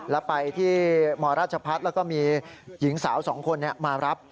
แล้วไปที่มรัชพัฒน์แล้วก็มีหญิงสาวสองคนมารับ